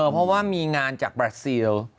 เพราะว่ามีงานจากบราซิล